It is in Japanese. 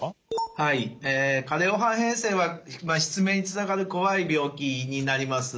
はい加齢黄斑変性は失明につながるこわい病気になります。